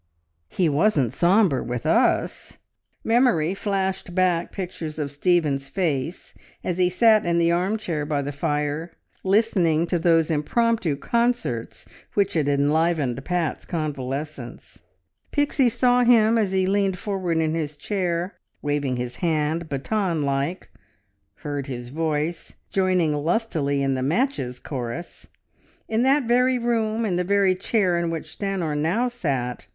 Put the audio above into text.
"He wasn't sombre with us!" Memory flashed back pictures of Stephen's face as he sat in the arm chair by the fire, listening to those impromptu concerts which had enlivened Pat's convalescence. Pixie saw him as he leaned forward in his chair, waving his hand baton like, heard his voice, joining lustily in the "Matches" chorus. In that very room in the very chair in which Stanor now sat. ...